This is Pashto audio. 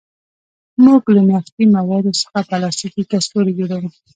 موږ له نفتي موادو څخه پلاستیکي کڅوړې جوړوو.